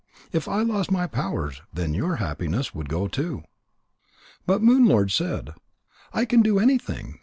If I lost my powers, then your happiness would go too." But Moon lord said: "I can do anything.